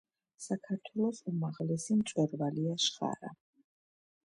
საქართველოს უმაღლესი მწვერვალია შხარა.